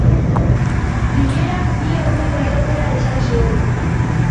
Bilerak bi orduko iraupena izan zuen.